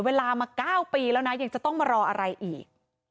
เวลามา๙ปีแล้วนะยังจะต้องมารออะไรอีก